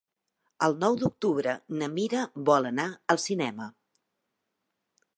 El nou d'octubre na Mira vol anar al cinema.